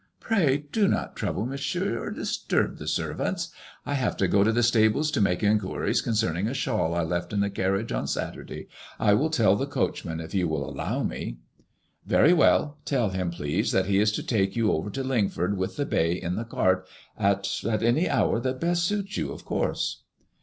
" Pray do not trouble. Mon sieur, or disturb the servants. I have to go to the stables to make inquiries concerning a shawl I left in the carriage on Saturday. I will tell the coach man if you will allow me.'* *• Very well. Tell him, please, that he is to take you over to Lingford with the bay in the cart at — at any hour that best suits you, of course."